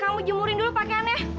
kamu jemurin dulu pakaiannya